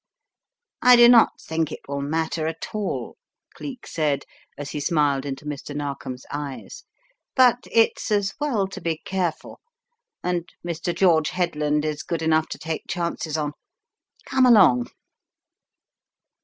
"I do not think it will matter at all/' Cleek said as he smiled into Mr. Narkom's eyes. "But it's as Well to be careful. And Mr. George Headland is good enough to take chances on. Come along."